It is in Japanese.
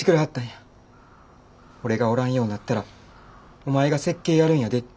俺がおらんようなったらお前が設計やるんやでって。